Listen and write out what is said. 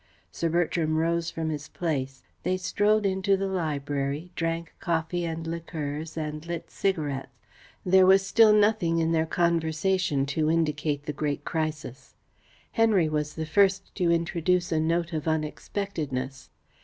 Sir Bertram rose from his place. They strolled into the library, drank coffee and liqueurs, and lit cigarettes. There was still nothing in their conversation to indicate the great crisis. Henry was the first to introduce a note of unexpectedness.